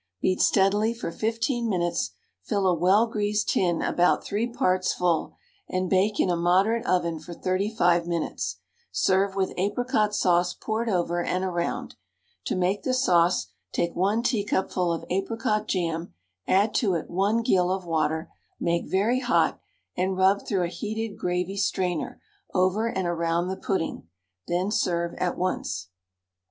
Beat steadily for 15 minutes; fill a well greased tin about three parts full, and bake in a moderate oven for 35 minutes; serve with apricot sauce poured over and around. To make the sauce, take 1 teacupful of apricot jam, add to it 1 gill of water, make very hot, and rub through a heated gravy strainer over and around the pudding; then serve at once.